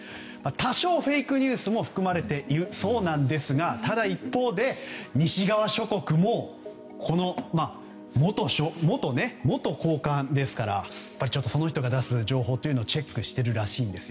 多少フェイクニュースも含まれているそうですがただ一方で西側諸国もこの元高官ですからその人が出す情報をチェックしているらしいんです。